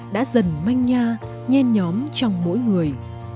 đã dần manh nha nhen nhóm trong mỗi người